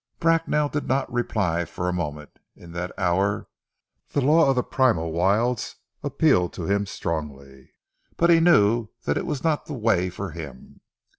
Bracknell did not reply for a moment. In that hour the law of the primeval wilds appealed to him strongly, but he knew that it was not the way for him.